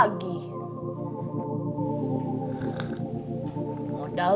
udah di pukul passwordnya